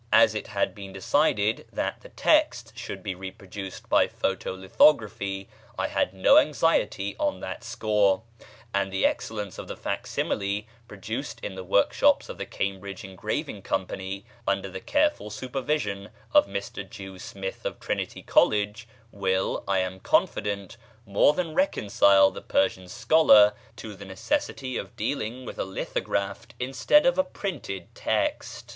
As it had been decided that the text should be reproduced by photo lithography, I had no anxiety on that score; and the excellence of the facsimile produced in the workshops of the Cambridge Engraving Company under the careful supervision of Mr Dew Smith of Trinity College, will, I am confident, more than reconcile the Persian scholar to the necessity of dealing with a lithographed instead of a printed text.